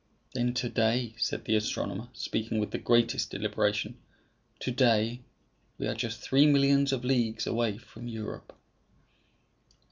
"Then to day," said the astronomer, speaking with the greatest deliberation "to day we are just three millions of leagues away from Europe."